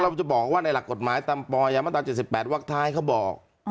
เราจะบอกว่าในหลักกฎหมายตามปอยามาตรา๗๘วักท้ายเขาบอก